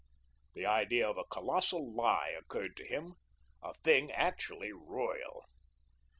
The idea of a colossal lie occurred to him, a thing actually royal.